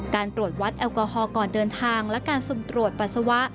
การตรวจวัดแอลกอฮอลก่อนเดินทางและการสุ่มตรวจปัสสาวะ